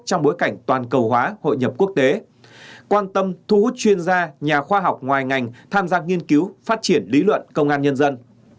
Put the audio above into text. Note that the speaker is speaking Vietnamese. trong bối cảnh toàn cầu hóa hội nhập quốc tế quan tâm thu hút chuyên gia nhà khoa học ngoài ngành tham gia nghiên cứu phát triển lý luận công an nhân dân